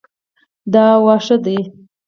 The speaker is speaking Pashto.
دا واښه ده